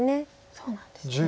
そうなんですね。